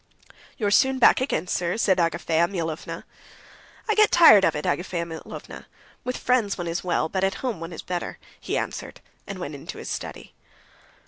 "You're soon back again, sir," said Agafea Mihalovna. "I got tired of it, Agafea Mihalovna. With friends, one is well; but at home, one is better," he answered, and went into his study.